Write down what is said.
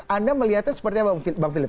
anda melihatnya seperti apa bang philip